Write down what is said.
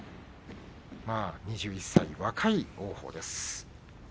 ２１歳、若い王鵬です。